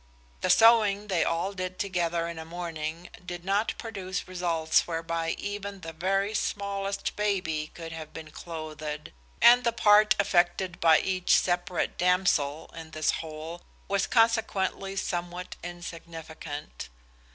The sewing they all did together in a morning did not produce results whereby even the very smallest baby could have been clothed, and the part effected by each separate damsel in this whole was consequently somewhat insignificant.